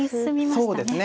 そうですね。